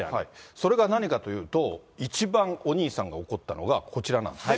それが何かというと、一番、お兄さんが怒ったのがこちらなんですね。